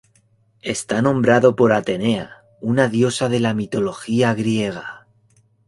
Está nombrado por Atenea, una diosa de la mitología griega.